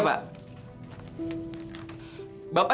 bapak setuju dengan perusahaan